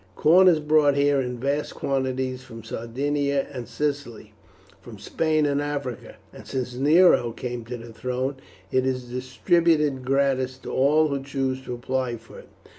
Corn is brought here in vast quantities from Sardinia and Sicily, from Spain and Africa, and since Nero came to the throne it is distributed gratis to all who choose to apply for it.